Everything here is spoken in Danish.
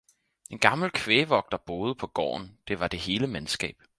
en gammel kvægvogter boede på gården, det var det hele mandskab.